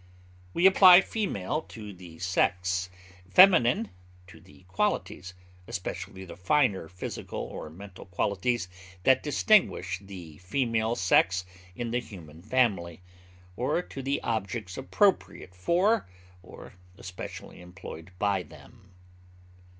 We apply female to the sex, feminine to the qualities, especially the finer physical or mental qualities that distinguish the female sex in the human family, or to the objects appropriate for or especially employed by them.